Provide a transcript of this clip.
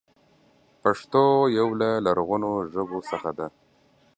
پښتو يو له لرغونو ژبو څخه ده.